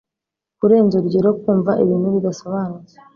Kurenza urugero kumva ibintu bidasobanutse